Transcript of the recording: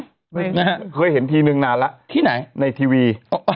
ไม่นะฮะเคยเห็นทีนึงนานละที่ไหนในทีวีอ๋ออ๋อ